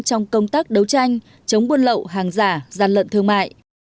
trong công tác đấu tranh chống buôn lậu hàng giả gian lận thương mại